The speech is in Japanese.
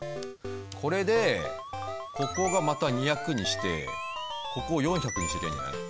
これでここがまた２００にしてここを４００にしときゃいいんじゃない？